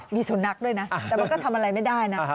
มีสุนัขด้วยนะแต่มันก็ทำอะไรไม่ได้นะ